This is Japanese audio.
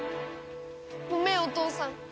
ごめんお父さん。